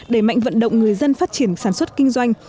đẩy mạnh vận động người dân phát triển sản xuất kinh doanh